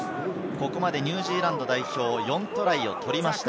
ここまでニュージーランド代表、４トライを取りました。